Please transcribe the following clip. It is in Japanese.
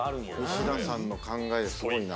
西田さんの考えすごいな。